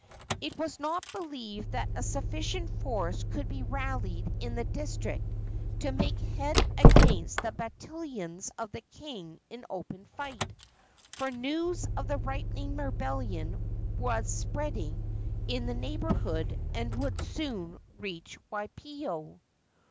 It was not believed that a sufficient force could be rallied in the district to make head against the battalions of the king in open fight, for news of the ripening rebellion was spreading in the neighborhood and would soon reach Waipio.